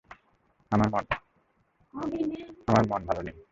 আমার মন ভালো নেই।